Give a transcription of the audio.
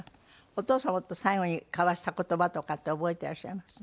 お父様と最後に交わした言葉とかって覚えていらっしゃいます？